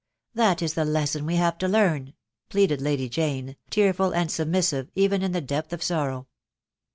That is the lesson we have to learn," pleaded Lady Jane, tearful and submissive, even in the depth of sorrow.